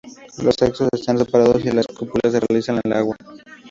Los sexos están separados y la cópula se realiza en el agua.